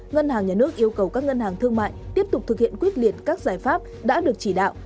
ngân hàng nhà nước yêu cầu các ngân hàng thương mại tiếp tục thực hiện quyết liệt các giải pháp đã được chỉ đạo